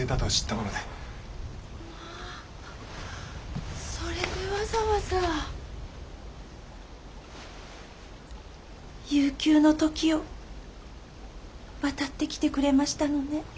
まあそれでわざわざ悠久の時を渡ってきてくれましたのね。